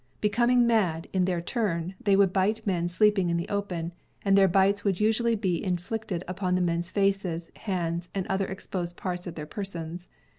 Becoming mad, in their turn, they would bite men sleeping in the open, and their bites would usually be iii fiicted upon the men's faces, hands and other exposed parts of their persons.